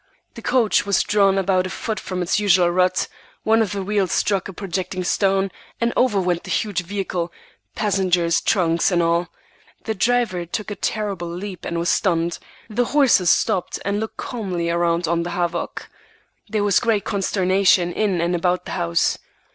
The coach was drawn about a foot from its usual rut, one of the wheels struck a projecting stone, and over went the huge vehicle, passengers, trunks, and all. The driver took a terrible leap and was stunned. The horses stopped and looked calmly around on the havoc. There was great consternation in and about the house.